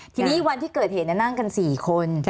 ทีนี้วันที่เกิดเหตุนั่งกัน๔คน